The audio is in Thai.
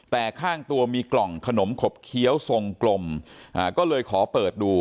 แต่ข้างตัวมีกล่องขนมขบเคี้ยวทรงกลมก็เลยขอเปิดดู